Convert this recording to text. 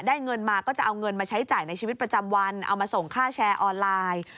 เงินมาก็จะเอาเงินมาใช้จ่ายในชีวิตประจำวันเอามาส่งค่าแชร์ออนไลน์